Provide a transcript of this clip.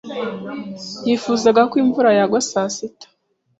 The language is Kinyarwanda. Yifuzaga ko imvura yagwa saa sita.